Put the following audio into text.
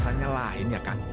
entah dia bakal hidup nanti